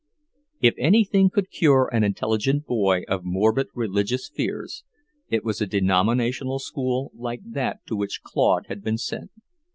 If anything could cure an intelligent boy of morbid religious fears, it was a denominational school like that to which Claude had been sent.